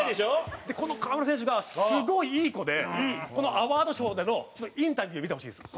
この河村選手がすごいいい子でこのＡＷＡＲＤＳＨＯＷでのインタビュー見てほしいんです。